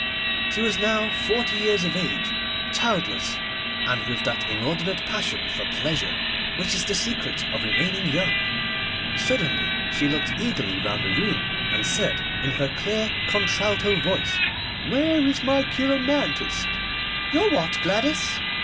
She was now forty years of age, childless, and with that inordinate passion for pleasure which is the secret of remaining young. Suddenly she looked eagerly round the room, and said, in her clear contralto voice, 'Where is my cheiromantist?' 'Your what, Gladys?